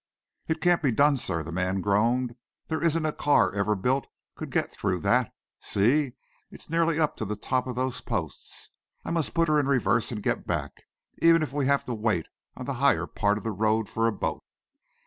"It can't be done, sir!" the man groaned. "There isn't a car ever built could get through that. See, it's nearly up to the top of those posts. I must put her in the reverse and get back, even if we have to wait on the higher part of the road for a boat."